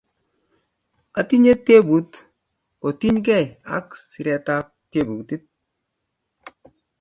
Atinye tebut kotinyke ak siretap tyebutik